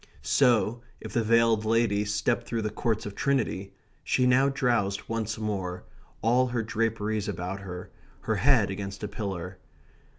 So, if the veiled lady stepped through the Courts of Trinity, she now drowsed once more, all her draperies about her, her head against a pillar.